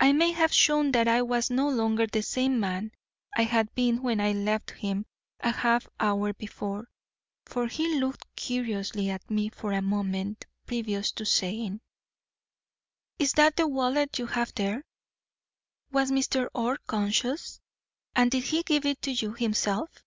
I may have shown that I was no longer the same man I had been when I left him a half hour before, for he looked curiously at me for a moment previous to saying: "'Is that the wallet you have there? Was Mr. Orr conscious, and did he give it to you himself?'